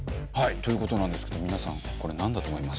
という事なんですけど皆さんこれなんだと思います？